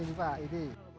ini pak ini